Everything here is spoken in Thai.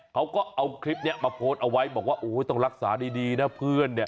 เขาก็เอาคลิปนี้มาโพสต์เอาไว้บอกว่าโอ้ยต้องรักษาดีนะเพื่อนเนี่ย